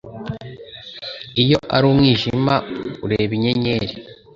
Iyo ari umwijima ureba inyenyeri.